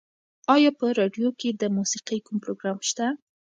ایا په راډیو کې د موسیقۍ کوم پروګرام شته؟